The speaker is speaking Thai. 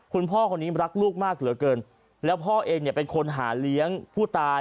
คุณพ่อคนนี้รักลูกมากเหลือเกินแล้วพ่อเองเนี่ยเป็นคนหาเลี้ยงผู้ตาย